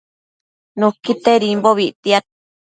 Nuquitedimbobi ictiad